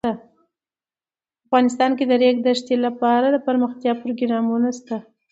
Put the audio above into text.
افغانستان کې د د ریګ دښتې لپاره دپرمختیا پروګرامونه شته.